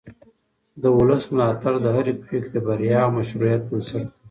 د ولس ملاتړ د هرې پرېکړې د بریا او مشروعیت بنسټ دی